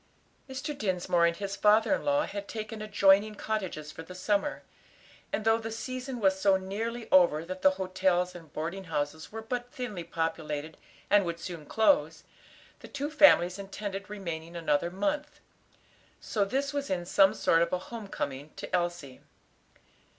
Mr. Dinsmore and his father in law had taken adjoining cottages for the summer, and though "the season" was so nearly over that the hotels and boarding houses were but thinly populated and would soon close, the two families intended remaining another month. So this was in some sort a home coming to Elsie.